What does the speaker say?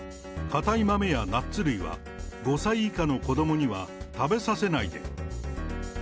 硬い豆やナッツ類は、５歳以下の子どもには食べさせないで！